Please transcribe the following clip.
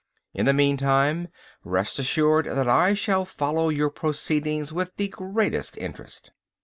In the meantime, rest assured that I shall follow your proceedings with the greatest interest."